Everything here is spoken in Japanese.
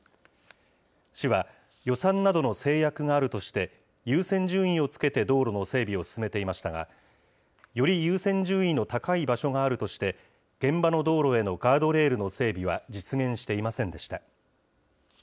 市は、予算などの制約があるとして、優先順位をつけて道路の整備を進めていましたが、より優先順位の高い場所があるとして、現場の道路へのガードレールの整備は実現していませんでした。